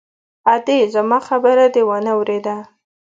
_ادې! زما خبره دې وانه ورېده!